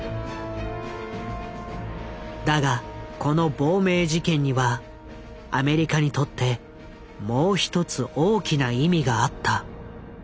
だがこの亡命事件にはアメリカにとってもう一つ大きな意味があった。